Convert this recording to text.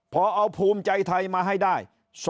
พอเอาภูมิใจไทยมาให้ได้